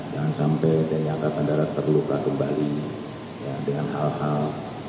jangan sampai tni asakandara terluka kembali dengan hal hal